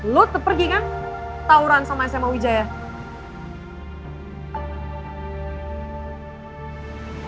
lo terpergi kan tawuran sama sma wijaya